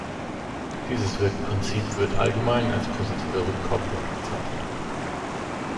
Dieses Wirkprinzip wird allgemein als positive Rückkopplung bezeichnet.